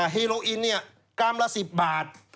เฮโลอินกรัมละ๑๐บาท